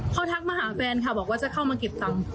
เขาทักมาหาแฟนค่ะบอกว่าจะเข้ามาเก็บตังค์